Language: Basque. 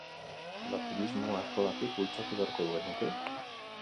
Erlatibismoa eskolatik bultzatu beharko genuke?